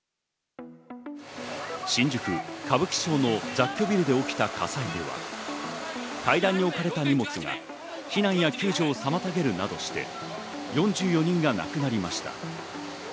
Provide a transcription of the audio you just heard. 新宿・歌舞伎町の雑居ビルで起きた火災では階段に置かれた荷物が避難や救助をさまたげるなどして４４人が亡くなりました。